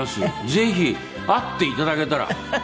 ぜひ会っていただけたら！